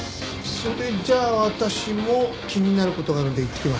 それじゃあ私も気になる事があるので行ってきます。